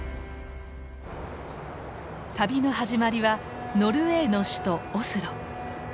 旅の始まりはノルウェーの首都オスロ。